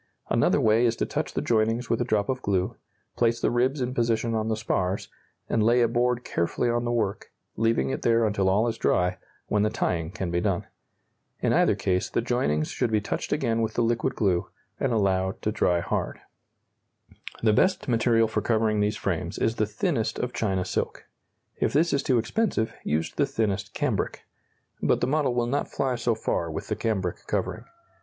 Another way is to touch the joinings with a drop of glue, place the ribs in position on the spars, and lay a board carefully on the work, leaving it there until all is dry, when the tying can be done. It either case the joinings should be touched again with the liquid glue and allowed to dry hard. [Illustration: The Lynn model monoplane in flight, from below and from the rear.] The best material for covering these frames is the thinnest of China silk. If this is too expensive, use the thinnest cambric. But the model will not fly so far with the cambric covering.